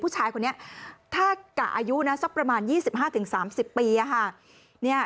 ผู้ชายคนนี้ถ้ากะอายุนะสักประมาณ๒๕๓๐ปี